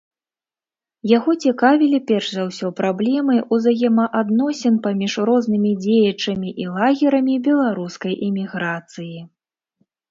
Яго цікавілі перш за ўсё праблемы ўзаемаадносін паміж рознымі дзеячамі і лагерамі беларускай эміграцыі.